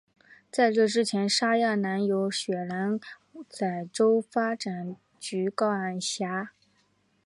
在这之前沙亚南由雪兰莪州发展局管辖。